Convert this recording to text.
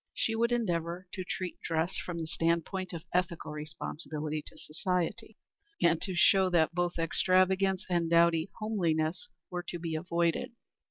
She would endeavor to treat dress from the standpoint of ethical responsibility to society, and to show that both extravagance and dowdy homeliness were to be avoided.